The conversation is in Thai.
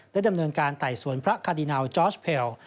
ดำเนินการไต่สวนพระคาดินาลจอร์ชเพล